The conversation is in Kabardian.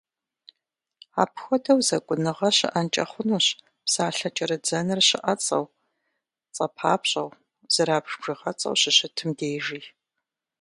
Апхуэдэу зэкӏуныгъэ щыӏэнкӏэ хъунущ псалъэ кӏэрыдзэныр щыӏэцӏэу, цӏэпапщӏэу, зэрабж бжыгъэцӏэу щыщытым дежи.